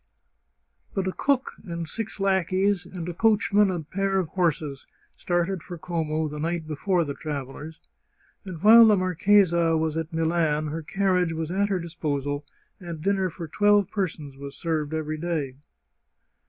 But a cook, six lackeys, and a coach man and pair of horses started for Como the night before the travellers, and while the marchesa was at Milan her 17 The Chartreuse of Parma carriage was at her disposal, and dinner for twelve persons was served every day.